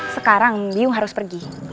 sekarang biong harus pergi